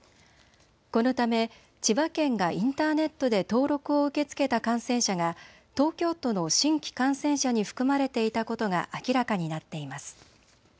このため千葉県がインターネットで登録を受け付けた感染者が東京都の新規感染者に含まれていたことが明らかになっています。